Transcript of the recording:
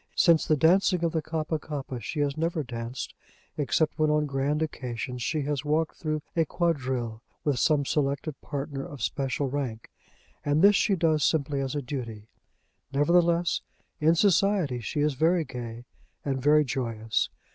Since the dancing of the Kappa kappa she has never danced, except when on grand occasions she has walked through a quadrille with some selected partner of special rank; and this she does simply as a duty. Nevertheless, in society she is very gay and very joyous.